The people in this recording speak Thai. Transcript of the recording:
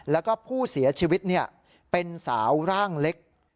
แล้วก็ผู้เสียชีวิตเป็นสาวร่างเล็ก